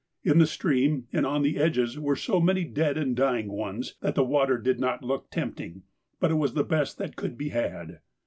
In the stream and on the edges were so many dead and dying ones, that the water did not look tempting, but it was the best that could be had.